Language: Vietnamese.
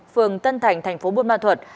phường tân thành thành phố bôn ma thuột